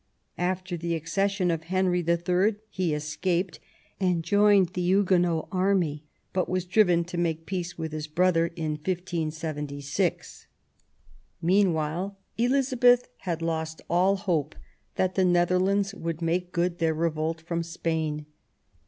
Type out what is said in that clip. After the accession of Henry III. he escaped and joined the Huguenot army, but was driven to make peace with his brother in 1576. Meanwhile Elizabeth had lost all hope that the Netherlands would make good their revolt from Spain.